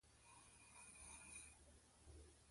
Â lɔ́ ú kítūm chèŋ.